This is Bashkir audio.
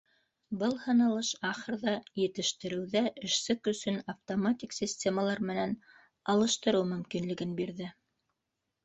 Был һынылыш ахырҙа етештереүҙә эшсе көсөн автоматик системалар менән алыштырыу мөмкинлеген бирҙе.